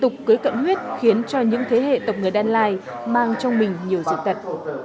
tục cưới cận huyết khiến cho những thế hệ tộc người đan lai mang trong mình nhiều dịch tật